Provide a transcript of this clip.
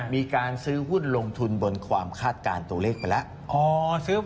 มีการซื้อหุ้นลงทุนบนความคาดการณ์ตัวเลขไปแล้ว